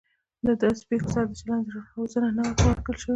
د داسې پیښو سره د چلند روزنه نه وه ورکړل شوې